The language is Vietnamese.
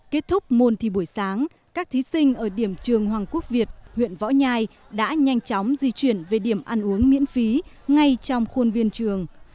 kết thúc môn thi buổi sáng các thí sinh ở điểm trường hoàng quốc việt huyện võ nhai đã nhanh chóng di chuyển về điểm ăn uống miễn phí ngay trong khuôn viên trường